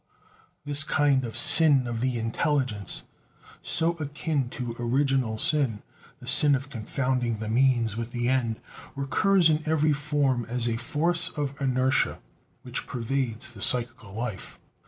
This kind of sin of the intelligence, so akin to original sin, the sin of confounding the means with the end, recurs in every form as a "force of inertia" which pervades the psychical life.